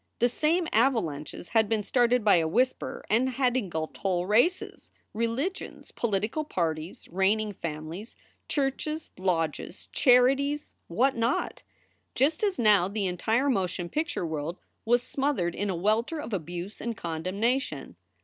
The same avalanches had been started by a whisper and had engulfed whole races, religions, politi cal parties, reigning families, churches, lodges, charities SOULS FOR SALE 247 what not? just as now the entire motion picture world was smothered in a welter of abuse and condemnation.